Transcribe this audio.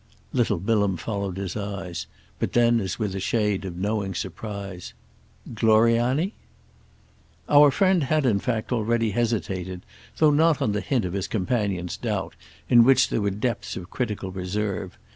Little Bilham followed his eyes; but then as with a shade of knowing surprise: "Gloriani?" Our friend had in fact already hesitated, though not on the hint of his companion's doubt, in which there were depths of critical reserve.